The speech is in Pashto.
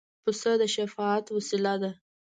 پسه د شفاعت وسیله ده.